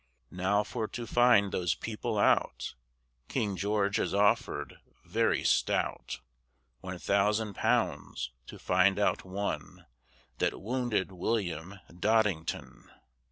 Now for to find those people out, King George has offered, very stout, One thousand pounds to find out one That wounded William Doddington.